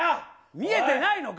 見えてないのか。